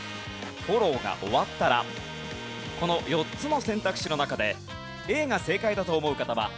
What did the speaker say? フォローが終わったらこの４つの選択肢の中でＡが正解だと思う方は＃